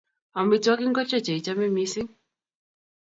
Amitwogik ngorcho che ichame missing'?